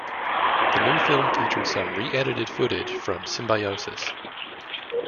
The new film featured some re-edited footage from "Symbiosis".